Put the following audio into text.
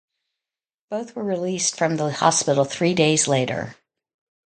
Both were released from the hospital three days later.